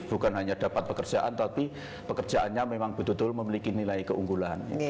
bukan hanya dapat pekerjaan tapi pekerjaannya memang betul betul memiliki nilai keunggulan